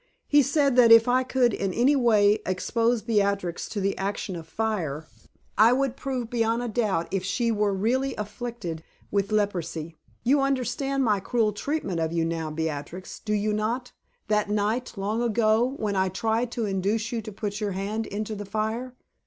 "He said that if I could in any way expose Beatrix to the action of fire, I would prove beyond a doubt if she were really afflicted with leprosy. You understand my cruel treatment of you now, Beatrix, do you not, that night, long ago, when I tried to induce you to put your hand into the fire?"